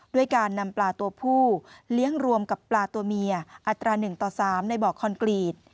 ด้วยการนำปลาตัวผู้เลี้ยงรวมกับปลาตัวเมียอัตรา๑ต่อ๓ในบ่อคอนกรีต